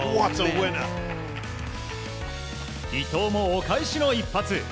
伊藤もお返しの一発。